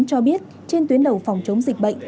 cho biết trên tuyến đầu phòng chống dịch bệnh